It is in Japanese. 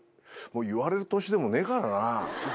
もう言われる年でもねえからな。